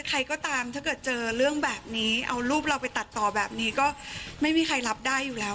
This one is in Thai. ใครก็ตามถ้าเกิดเจอเรื่องแบบนี้เอารูปเราไปตัดต่อแบบนี้ก็ไม่มีใครรับได้อยู่แล้ว